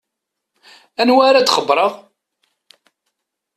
Anwa ara d-xebbṛeɣ?